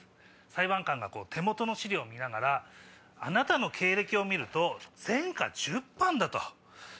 裁判官が手元の資料を見ながら「あなたの経歴を見ると」。